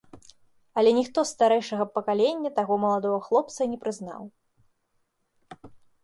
Але ніхто з старэйшага пакалення таго маладога хлопца не прызнаў.